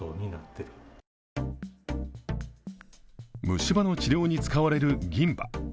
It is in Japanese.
虫歯の治療に使われる銀歯。